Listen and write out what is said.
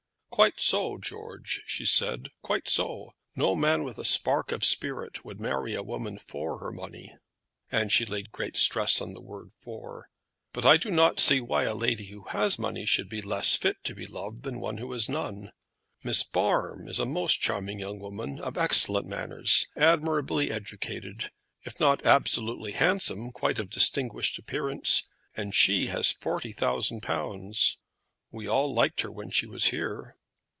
"Quite so, George," she said; "quite so. No man with a spark of spirit would marry a woman for her money," and she laid a great stress on the word "for," "but I do not see why a lady who has money should be less fit to be loved than one who has none. Miss Barm is a most charming young woman, of excellent manners, admirably educated, if not absolutely handsome, quite of distinguished appearance, and she has forty thousand pounds. We all liked her when she was here."